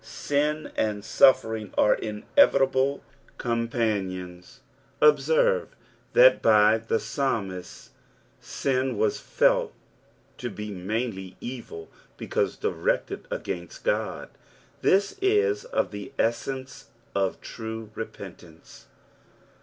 Bin and suffering are inevitable companions. Observe that by tlie r.lmist un was felt to be mainly evil because directed against God. This of the essence of true repentance.